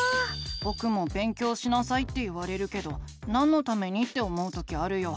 ぼくも「勉強しなさい」って言われるけどなんのためにって思う時あるよ。